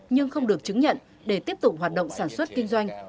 nhưng không được chứng nhận để tiếp tục hoạt động sản xuất kinh doanh